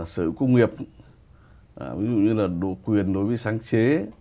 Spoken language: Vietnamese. sở hữu công nghiệp ví dụ như là độ quyền đối với sáng chế